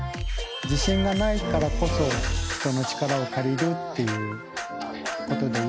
自信がないからこそ人の力を借りるっていうことでいいのかな。